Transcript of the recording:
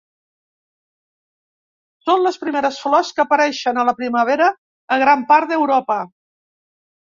Són les primeres flors que apareixen a la primavera a gran part d'Europa.